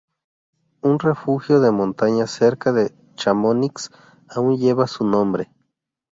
Un refugio de montaña cerca de Chamonix aún lleva su nombre.